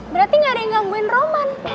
berarti gak ada yang gangguin roman